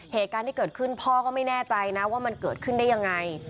เหตุการณ์ที่เกิดขึ้นพ่อก็ไม่แน่ใจนะว่ามันเกิดขึ้นได้ยังไง